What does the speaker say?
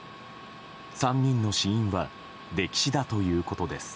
３人の死因は溺死だということです。